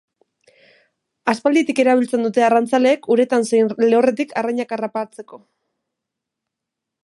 Aspalditik erabiltzen dute arrantzaleek uretan zein lehorretik arrainak harrapatzeko.